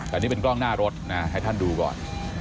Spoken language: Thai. แต่นี่เป็นกล้องหน้ารถนะให้ท่านดูก่อน